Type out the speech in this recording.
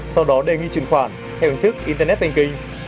sau đó đề nghị truyền khoản theo hình thức internet banking